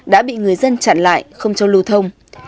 đã bị người dân chặn lại không cho lưu thông